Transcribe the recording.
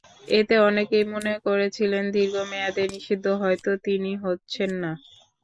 এতে অনেকেই মনে করেছিলেন, দীর্ঘ মেয়াদে নিষিদ্ধ হয়তো তিনি হচ্ছেন না।